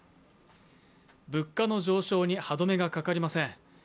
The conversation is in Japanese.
物価の上昇に歯止めがかかりません。